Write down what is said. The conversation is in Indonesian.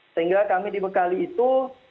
sehingga kami dibekali itu